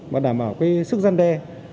và đảm bảo sức gian đe